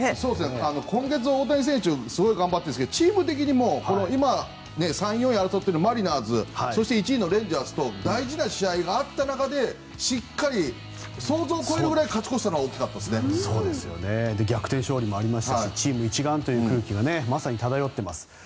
今月、大谷選手はすごく頑張ってるんですがチーム的にも今３位、４位を争うマリナーズそして１位のレンジャーズと大事な試合があった中でしっかり想像を超えるぐらい勝ち越したのは逆転勝利もあったしチーム一丸という空気がまさに漂っています。